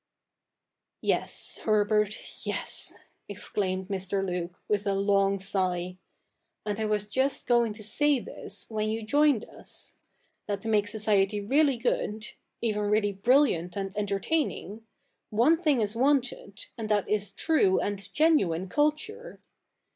' Yes, Herbert, yes,' exclaimed Mr. Luke, with a long sigh. ' And I was just going to say this, when you joined us — that to make society really good — even really brilliant and entertaining— one thing is wanted, and that is true and genuine culture.